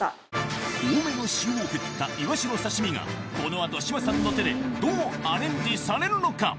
多めの塩を振ったイワシの刺し身がこの後志麻さんの手でどうアレンジされるのか？